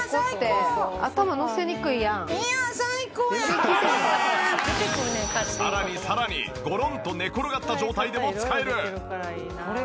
さらにさらにごろんと寝転がった状態でも使える！